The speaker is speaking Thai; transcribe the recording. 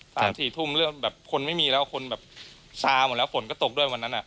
สามสี่ทุ่มเรื่องแบบคนไม่มีแล้วคนแบบซาหมดแล้วฝนก็ตกด้วยวันนั้นอ่ะ